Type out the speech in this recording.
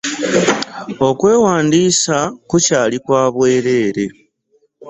Okwewandiisa kukyali kwa bwereere.